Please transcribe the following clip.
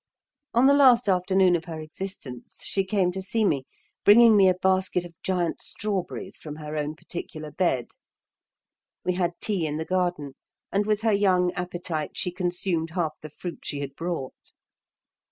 On the last afternoon of her existence she came to see me, bringing me a basket of giant strawberries from her own particular bed. We had tea in the garden, and with her young appetite she consumed half the fruit she had brought.